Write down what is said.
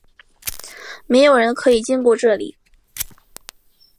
没有人可以经过这里！